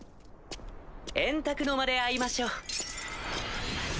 円卓の間で会いましょう。